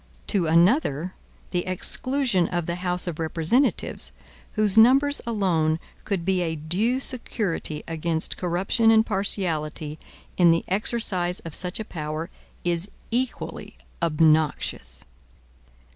To another, the exclusion of the House of Representatives, whose numbers alone could be a due security against corruption and partiality in the exercise of such a power, is equally obnoxious.